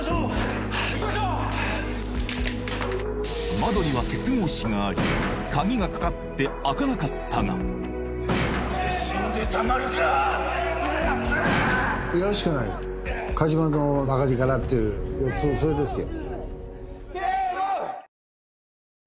窓には鉄格子があり鍵がかかって開かなかったがっていうそれですよ